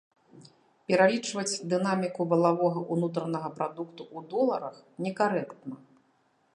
Пералічваць дынаміку валавога ўнутранага прадукту ў доларах некарэктна.